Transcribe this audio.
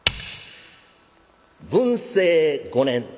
文政五年。